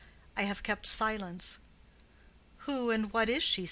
I have kept silence." "Who and what is she?"